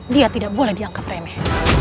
dia tidak boleh dianggap remeh